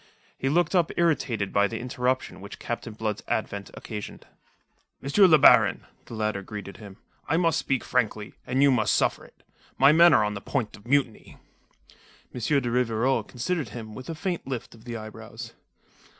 He looked up irritated by the interruption which Captain Blood's advent occasioned. "M. le Baron," the latter greeted him. "I must speak frankly; and you must suffer it. My men are on the point of mutiny." M. de Rivarol considered him with a faint lift of the eyebrows.